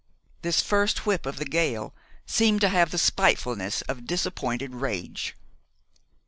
This first whip of the gale seemed to have the spitefulness of disappointed rage.